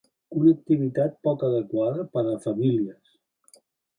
Una activitat poc adequada per a famílies.